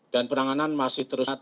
dan penanganan masih terus